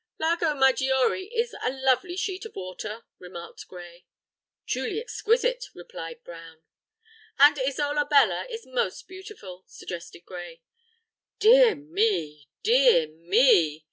"Lago Maggiore is a lovely sheet of water," remarked Gray. "Truly exquisite," replied Brown. "And Isola Bella is most beautiful," suggested Gray. "Dear me! dear me!"